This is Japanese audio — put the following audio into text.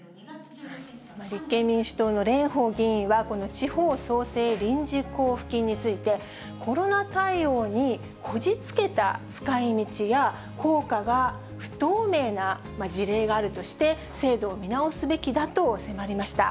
立憲民主党の蓮舫議員は、この地方創生臨時交付金について、コロナ対応にこじつけた使いみちや、効果が不透明な事例があるとして、制度を見直すべきだと迫りました。